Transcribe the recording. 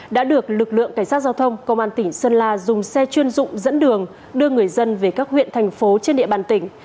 đã được lực lượng cảnh sát giao thông công an tỉnh sơn la dùng xe chuyên dụng dẫn đường đưa người dân về các huyện thành phố trên địa bàn tỉnh